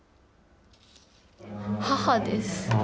母です。